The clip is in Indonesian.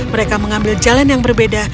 mereka mengambil jalan yang berbeda